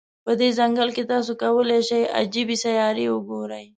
په دې ځنګل کې، تاسو کولای شی عجيبې سیارې وګوری.